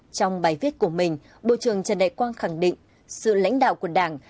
trong bài viết của mình bộ trưởng trần đại quang khẳng định sự lãnh đạo của đảng